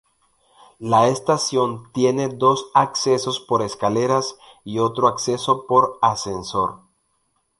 La estación tiene dos accesos por escaleras y otro acceso por ascensor.